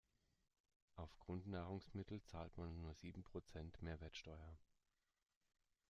Auf Grundnahrungsmittel zahlt man nur sieben Prozent Mehrwertsteuer.